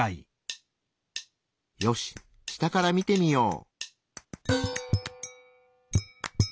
よし下から見てみよう！